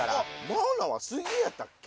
マウナは水泳やったっけ？